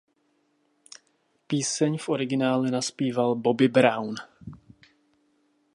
Píseň v originále nazpíval Bobby Brown.